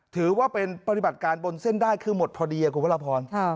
ถือว่าเป็นปฏิบัติการบนเส้นได้คือหมดพอดีคุณพระราพร